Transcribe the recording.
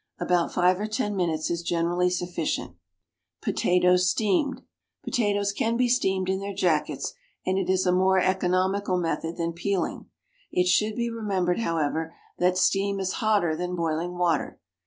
About five or ten minutes is generally sufficient. POTATOES, STEAMED. Potatoes can be steamed in their jackets, and it is a more economical method than peeling. It should be remembered, however, that steam is hotter than boiling water.